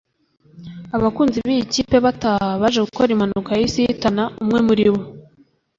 abakunzi b’iyi kipe bataha baje gukora impanuka yahise ihitana umwe muri bo